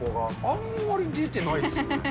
あんまり出てないですね。